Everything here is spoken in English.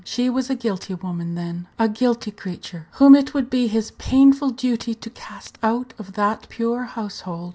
She was a guilty woman, then a guilty creature, whom it would be his painful duty to cast out of that pure household.